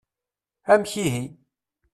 Amek ihi.